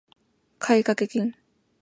買掛金